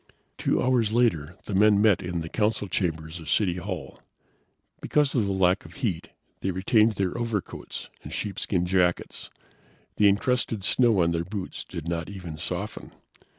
Two hours later the men met in the Council chambers of City Hall. Because of the lack of heat, they retained their overcoats and sheepskin jackets. The incrusted snow on their boots did not even soften.